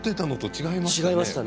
違いましたね。